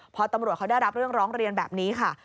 พอตำรวจเขาได้รับเรื่องร้องเรียนแบบนี้ค่ะ